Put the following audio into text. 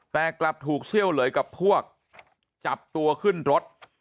แต่กลับถูกเซี่ยวเหลยกับพวกจับตัวขึ้นรถ